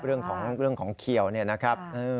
เรื่องของเขียวนะครับ